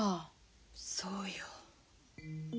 そうよ。